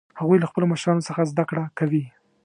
هغوی له خپلو مشرانو څخه زده کړه کوي